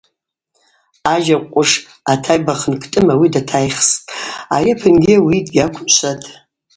Ажьа хъвыш атайбахын Кӏтӏым ауи датайхсхтӏ, Ари апынгьи ауи дгьаквымшватӏ.